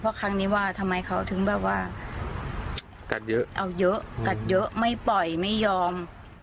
เพราะครั้งนี้ทำไมเขาถึงแบบว่าเกาะเยอะไม่ปล่อยไม่ยอม